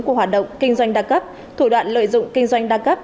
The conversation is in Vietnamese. của hoạt động kinh doanh đa cấp thủ đoạn lợi dụng kinh doanh đa cấp